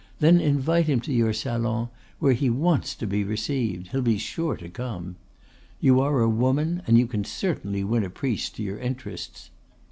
Then invite him to your salon, where he wants to be received; he'll be sure to come. You are a woman, and you can certainly win a priest to your interests.